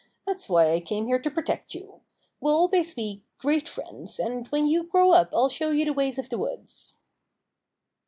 That's why I came here to protect you. We'll always be great friends, and when you grow up I'll show you the ways of the woods."